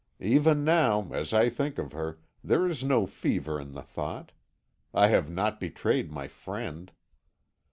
"Even now, as I think of her, there is no fever in the thought. I have not betrayed my friend.